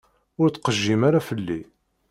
Ur ttqejjim ara fell-i.